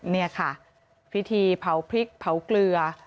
นี่ค่ะพิธีเผาพริกเผาเกลือ